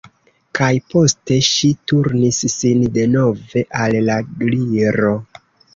Kaj poste ŝi turnis sin denove al la Gliro.